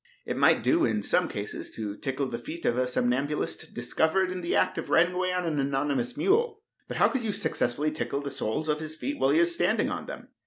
It might do in some cases to tickle the feet of a somnambulist discovered in the act of riding away on an anonymous mule, but how could you successfully tickle the soles of his feet while he is standing on them?